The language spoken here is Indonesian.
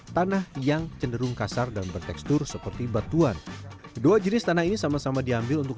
tanah yang cenderung kasar dan bertekstur seperti batuan kedua jenis tanah ini sama sama diambil untuk